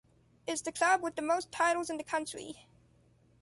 It’s the club with the most titles in the country.